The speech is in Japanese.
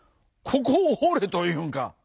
ここをほれというんか。